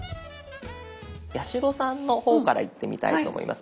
八代さんの方からいってみたいと思います。